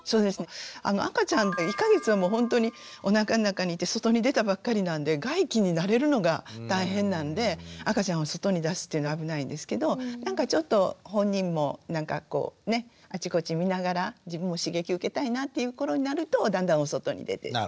赤ちゃんは１か月はもうほんとにおなかの中にいて外に出たばっかりなんで外気に慣れるのが大変なんで赤ちゃんを外に出すっていうのは危ないんですけどなんかちょっと本人もなんかこうねあちこち見ながら自分も刺激受けたいなっていう頃になるとだんだんお外に出て行って。